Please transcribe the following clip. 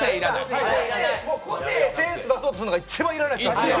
センス出そうとするのが一番いらないですから。